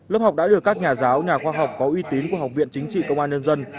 lớp học đã được các nhà giáo nhà khoa học có uy tín của học viện chính trị công an nhân dân